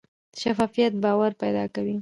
شفافیت باور پیدا کوي